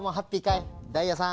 ダイヤさん。